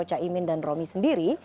caimin dan romi sendiri